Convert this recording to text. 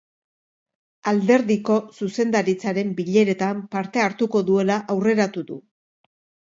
Alderdiko zuzendaritzaren bileretan parte hartuko duela aurreratu du.